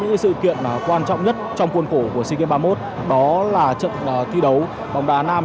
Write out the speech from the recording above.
những sự kiện quan trọng nhất trong khuôn khổ của sea games ba mươi một đó là trận thi đấu bóng đá nam